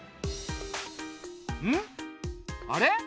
んっあれ？